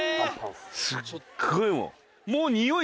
すっごいもう。